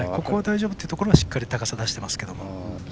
ここは大丈夫というところはしっかり高さ出していますけども。